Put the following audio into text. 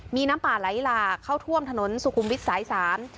มีน้ำป่าไหลหลากเข้าท่วมถนนสุขุมวิทย์สายสาม